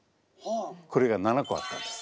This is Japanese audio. これが７個あったんです。